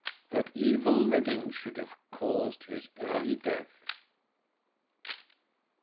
that evil living should have caused his early death!"